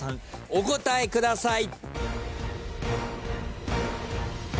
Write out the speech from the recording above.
お答えください。